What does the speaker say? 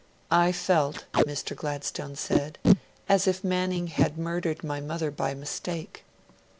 'I felt,' Mr. Gladstone said, 'as if Manning had murdered my mother by mistake.'